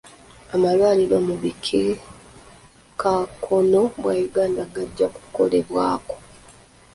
Amalwaliro mu bukiikakkono bwa Uganda gajja kukolebwako.